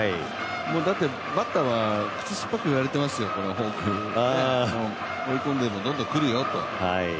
だってバッターは口酸っぱくいわれていますよ、このフォーク、追い込んでるのにどんどん来るよと。